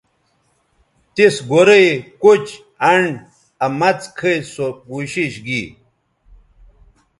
تِس گورئ، کُچ، انڈ آ مڅ کھئ سو کوشش گی